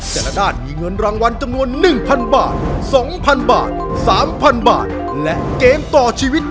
แต่ละด้านมีเงินรางวัลจำนวนหนึ่งพันบาทสองพันบาทสามพันบาทและเกมต่อชีวิต